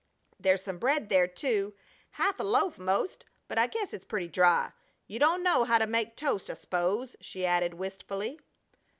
"There's some bread there, too half a loaf 'most but I guess it's pretty dry. You don't know how to make toast I 'spose," she added, wistfully.